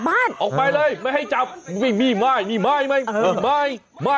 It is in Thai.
บ้าจริงเดี๋ยวเดี๋ยว